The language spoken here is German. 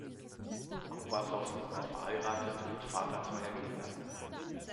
Kubassow war verheiratet und Vater zweier Kinder.